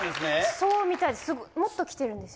そうみたいです。